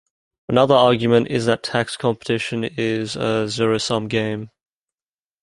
Another argument is that tax competition is a zero-sum game.